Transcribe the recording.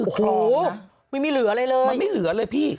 ผมอยู่นี่ไม่เหลืออะไร